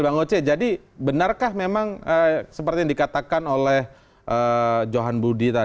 bang oce jadi benarkah memang seperti yang dikatakan oleh pdip